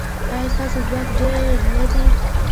ایا ستاسو ځواک ډیر نه دی؟